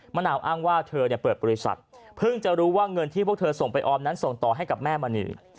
มะนาวอ้างว่าเธอเปิดบริษัทเพิ่งจะรู้ว่าเงินที่พวกเธอส่งไปออมนั้นส่งต่อให้กับแม่มณี